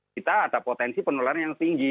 kita ada potensi penularan yang tinggi